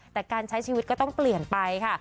แต่การใช้ชีวิตก็ต้องเปลี่ยนไปค่ะ